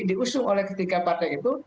diusung oleh ketiga partai itu